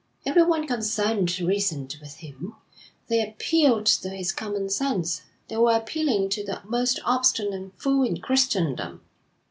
Everyone concerned reasoned with him; they appealed to his common sense; they were appealing to the most obstinate fool in Christendom.